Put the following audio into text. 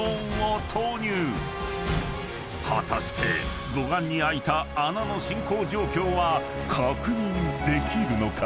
［果たして護岸に開いた穴の進行状況は確認できるのか？］